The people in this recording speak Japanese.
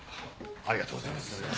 ありがとうございます。